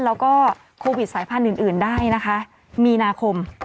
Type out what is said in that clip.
แล้วก็โควิดสายพันธุ์อื่นได้นะคะมีนาคม